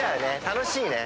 楽しいね。